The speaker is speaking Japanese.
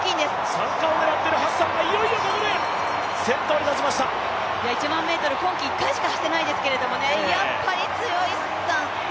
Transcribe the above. ３冠を狙っているハッサンがいよいよここで１００００ｍ、今季１回しか走っていないですけどね、やっぱり強い、ハッサン！